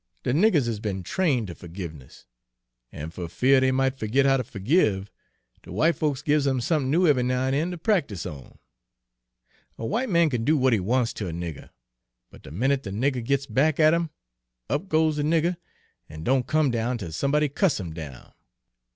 De niggers is be'n train' ter fergiveniss; an' fer fear dey might fergit how ter fergive, de w'ite folks gives 'em somethin' new ev'y now an' den, ter practice on. A w'ite man kin do w'at he wants ter a nigger, but de minute de nigger gits back at 'im, up goes de nigger, an' don' come down tell somebody cuts 'im down.